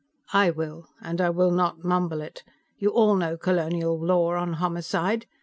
"I will, and I will not mumble it. You all know colonial law on homicide.